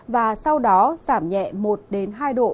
và sau đó giảm nhẹ một hai độ